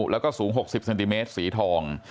แล้วก็สูง๖๐เซนติเมตรสีทอง